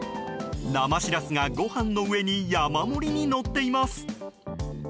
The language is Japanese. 生シラスがご飯の上に山盛りにのっています。